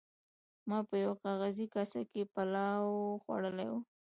ما په یوه کاغذي کاسه کې پلاو خوړلی و.